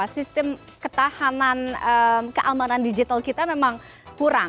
sistem ketahanan keamanan digital kita memang kurang